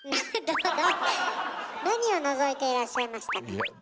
何をのぞいていらっしゃいましたか？